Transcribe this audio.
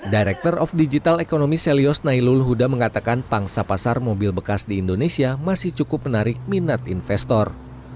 direktur ekonomi digital selyos nailul huda mengatakan pangsa pasar mobil bekas di indonesia masih cukup menarik minat investor